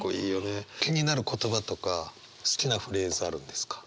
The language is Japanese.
気になる言葉とか好きなフレーズあるんですか？